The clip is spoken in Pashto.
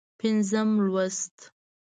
پينځم لوست